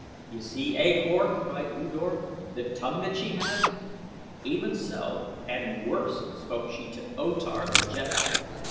"You see, A Kor," cried U Dor, "the tongue that she has. Even so and worse spoke she to O Tar the jeddak."